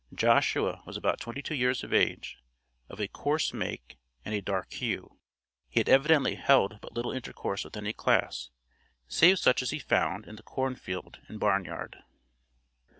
Joshua was about twenty two years of age, of a coarse make, and a dark hue; he had evidently held but little intercourse with any class, save such as he found in the corn field and barn yard.